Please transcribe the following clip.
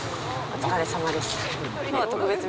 お疲れさまでした。